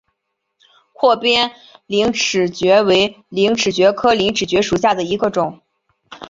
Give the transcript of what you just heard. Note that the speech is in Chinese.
阔边陵齿蕨为陵齿蕨科陵齿蕨属下的一个种。